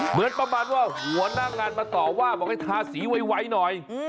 เหมือนประมาณว่าหัวหน้างานมาต่อว่าบอกให้ทาสีไวหน่อย